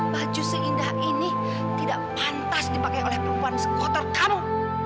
baju seindah ini tidak pantas dipakai oleh perempuan skuter kamu